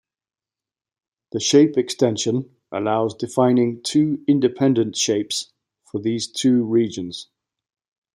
The shape extension allows defining two independent shapes for these two regions.